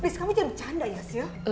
please kamu jangan bercanda ya syl